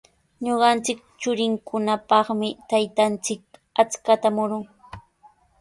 Ñuqanchik churinkunapaqmi taytanchik achkata murun.